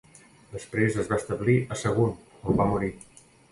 Després es va establir a Sagunt, on va morir.